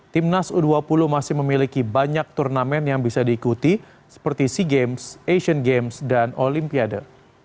timnas u dua puluh masih memiliki banyak turnamen yang bisa diikuti seperti sea games asian games dan olimpiade